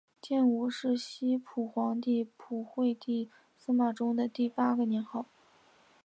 建武是西晋皇帝晋惠帝司马衷的第八个年号。